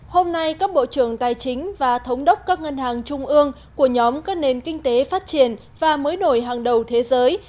hôm nay các bộ trưởng tài chính và thống đốc các ngân hàng trung ương của nhóm các nền kinh tế phát triển và mới đổi hàng đầu thế giới